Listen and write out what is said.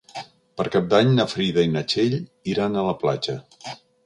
Per Cap d'Any na Frida i na Txell iran a la platja.